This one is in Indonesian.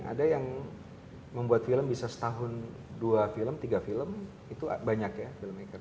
ada yang membuat film bisa setahun dua film tiga film itu banyak ya filmmaker